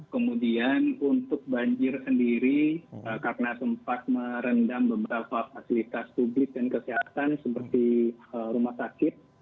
kemudian untuk banjir sendiri karena sempat merendam beberapa fasilitas publik dan kesehatan seperti rumah sakit